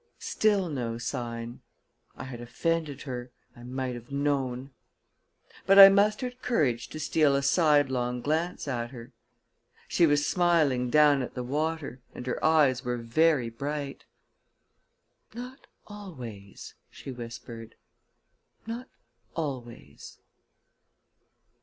Still no sign; I had offended her I might have known! But I mustered courage to steal a sidelong glance at her. She was smiling down at the water, and her eyes were very bright. "Not always," she whispered. "Not always."